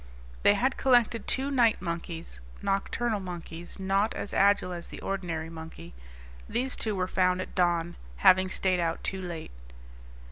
They had collected two night monkeys nocturnal monkeys, not as agile as the ordinary monkey; these two were found at dawn, having stayed out too late.